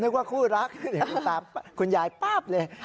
นึกว่าคู่รักแต่ตามคุณยายป้าบเลย